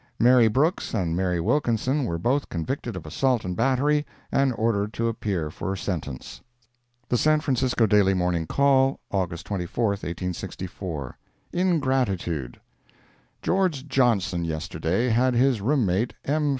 Mary Brooks and Maria Wilkinson were both convicted of assault and battery, and ordered to appear for sentence. The San Francisco Daily Morning Call, August 24, 1864 INGRATITUDE George Johnson yesterday had his room mate, M.